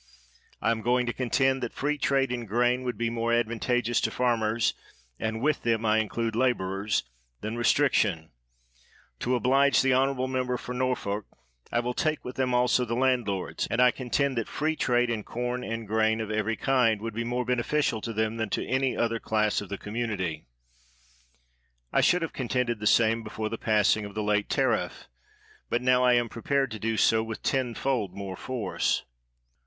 I am going to contend that free trade in grain would be more advantageous to farmers — and with them I include laborers — than restriction; to oblige the honorable member for Norfolk, I will take with them also the landlords; and I con tend that free trade in corn and grain of every kind would be more beneficial to them than to any other class of the community'. I .should have contended the same before the passing of the late tariff, but now I am prepared to do so with ten fold more force.